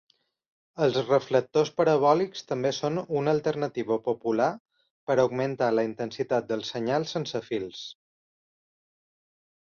Els reflectors parabòlics també són una alternativa popular per augmentar la intensitat del senyal sense fils.